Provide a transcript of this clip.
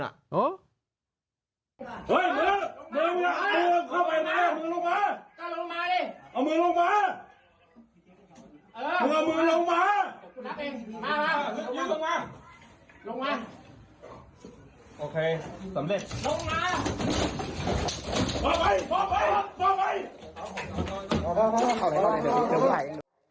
เอามือลงมาเอามือลงมาเอามือลงมาลงมาโอเคสำเร็จลงมาพอไปพอไปพอไป